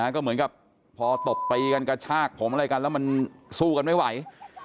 ก็เหมือนกับพอตบตีกันกระชากผมอะไรกันแล้วมันสู้กันไม่ไหว